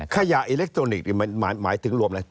ขยะอิเล็กทรอนิกส์มันหมายถึงรวมอะไร